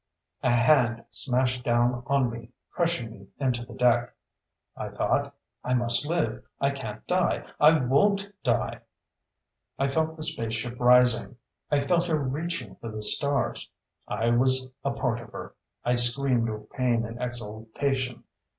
_" A hand smashed down on me, crushing me into the deck. I thought: I must live. I can't die. I won't die! I felt the spaceship rising. I felt her reaching for the stars. I was a part of her. I screamed with pain and exaltation.